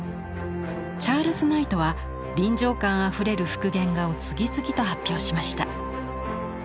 チャールズ・ナイトは臨場感あふれる復元画を次々と発表しました。